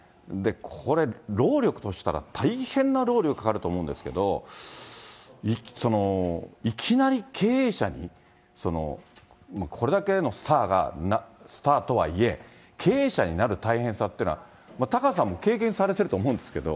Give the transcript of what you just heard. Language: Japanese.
これ、労力としたら大変な労力かかると思うんですけど、いきなり経営者に、これだけのスターが、スターとはいえ、経営者になる大変さっていうのは、タカさんも経験されてると思うんですけど。